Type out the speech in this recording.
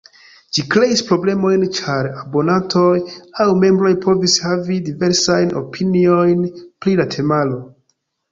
Ĝi kreis problemojn, ĉar abonantoj aŭ membroj povis havi diversajn opiniojn pri la temaro.